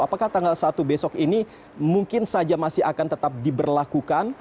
apakah tanggal satu besok ini mungkin saja masih akan tetap diberlakukan